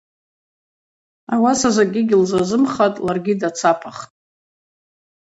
Ауаса закӏгьи гьылзазымхатӏ, ларгьи дацапахтӏ.